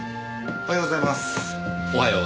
おはようございます。